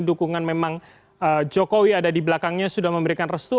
dukungan memang jokowi ada di belakangnya sudah memberikan restu